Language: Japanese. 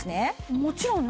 もちろんね。